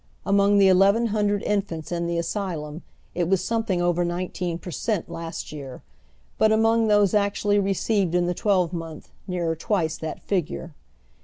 Among the eleven hnndred in fants in the asylum it was something over nineteen per cent, last year ; but among those actnally received in tlie twelvemonth nearer twice that figure.